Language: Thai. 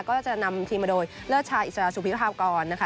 ก็จะนำทีมมาโดยเลอร์ชายสุพิภาพก่อนนะคะ